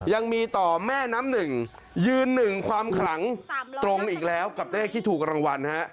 ยังมีต่อแม่น้ำหนึ่งยืนหนึ่งความขลังตรงอีกแล้วกับเลขที่ถูกรางวัลฮะ